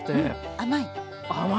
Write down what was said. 甘い？